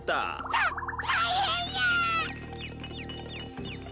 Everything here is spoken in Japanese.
た大変や！